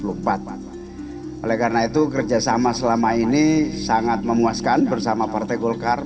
oleh karena itu kerjasama selama ini sangat memuaskan bersama partai golkar